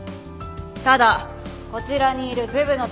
ただこちらにいるズブのど